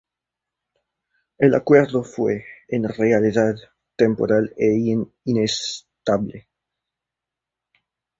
El acuerdo fue, en realidad, temporal e inestable.